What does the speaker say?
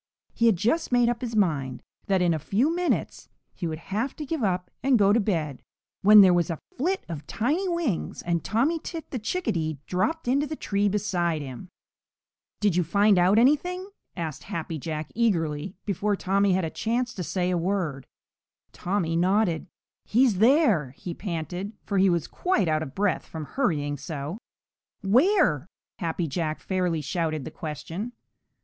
He had just made up his mind that in a few minutes he would have to give up and go to bed when there was a flit of tiny wings, and Tommy Tit the Chickadee dropped into the tree beside him. "Did you find out anything?" asked Happy Jack eagerly, before Tommy had a chance to say a word. [Illustration: "DID YOU FIND OUT ANYTHING?" ASKED HAPPY JACK EAGERLY.] Tommy nodded. "He's there!" he panted, for he was quite out of breath from hurrying so. "Where?" Happy Jack fairly shouted the question.